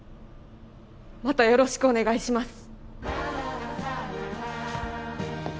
またよろしくお願いします。